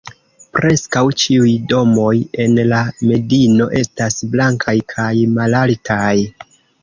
Preskaŭ ĉiuj domoj en la medino estas blankaj kaj malaltaj.